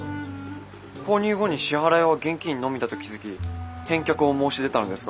購入後に支払いは現金のみだと気付き返却を申し出たのですがなぜかどんどん具だくさんに。